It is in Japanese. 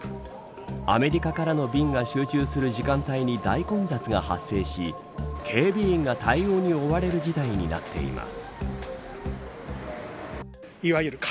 アメリカからの便が集中する時間帯に大混雑が発生し警備員が対応に追われる事態になっています。